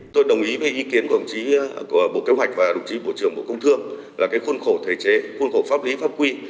tôi đồng ý với ý kiến của bộ kế hoạch và đồng chí bộ trưởng bộ công thương là khuôn khổ thể chế khuôn khổ pháp lý pháp quy